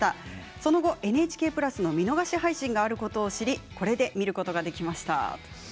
その後、ＮＨＫプラスの見逃し配信があることを知りそれで見ることができました。